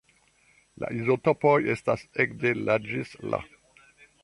La izotopoj estas ekde La ĝis La.